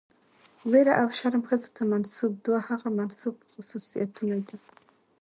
ويره او شرم ښځو ته منسوب دوه هغه منسوب خصوصيتونه دي،